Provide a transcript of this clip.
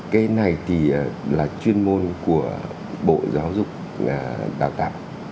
cái này thì là chuyên môn của bộ giáo dục và đào tạo